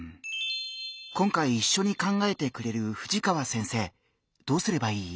今回いっしょに考えてくれる藤川先生どうすればいい？